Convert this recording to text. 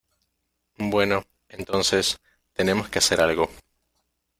Bueno, entonces , tenemos que hacer algo.